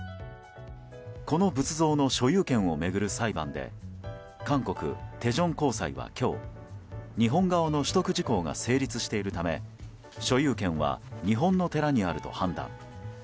この仏像の所有権を巡る裁判で韓国テジョン高裁は今日日本側の取得時効が成立しているため所有権は日本の寺にあると判断。